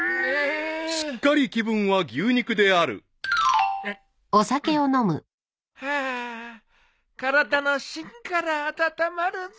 ［すっかり気分は牛肉である］はあ体の芯から温まるぜ。